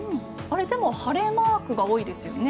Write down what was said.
でも、晴れマークが多いですよね。